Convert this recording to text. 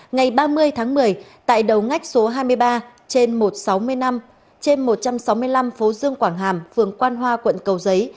ngày ba mươi tháng một mươi tại đầu ngách số hai mươi ba trên một trăm sáu mươi năm phố dương quảng hàm phường quan hoa quận cầu giấy